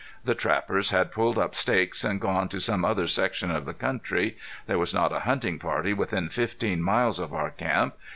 The trappers had pulled up stakes and gone to some other section of the country. There was not a hunting party within fifteen miles of our camp.